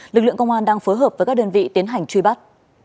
lực lượng công an đang phối hợp với các đơn vị tiến hành truy bắt